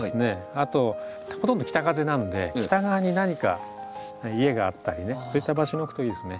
あとほとんど北風なんで北側に何か家があったりねそういった場所に置くといいですね。